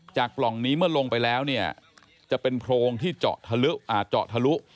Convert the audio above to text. จากปล่องนี้เมื่อลงไปแล้วเนี่ยจะเป็นโพงที่เจาะทะลุอ่าเจาะทะลุ